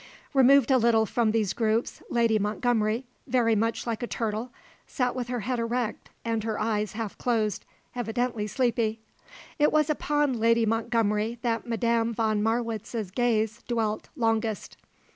Removed a little from these groups Lady Montgomery, very much like a turtle, sat with her head erect and her eyes half closed, evidently sleepy. It was upon Lady Montgomery that Madame von Marwitz's gaze dwelt longest.